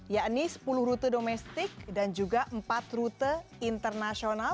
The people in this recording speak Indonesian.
yakni sepuluh rute domestik dan juga empat rute internasional